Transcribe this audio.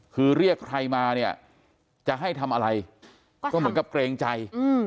คือเรียกใครมาเนี่ยจะให้ทำอะไรก็เหมือนกับเกรงใจ